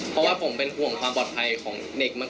เพราะว่าผมเป็นห่วงความปลอดภัยของเด็กมาก